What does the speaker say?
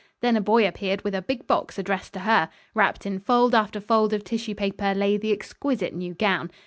Then a boy appeared with a big box addressed to her. Wrapped in fold after fold of tissue paper lay the exquisite new gown.